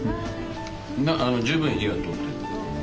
十分火が通ってる。